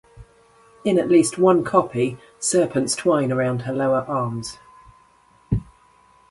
In at least one copy, serpents twine around her lower arms.